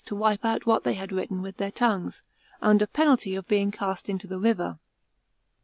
225 to wipe out what they had written with their tongues, undei penalty of being cast into the river. § 11.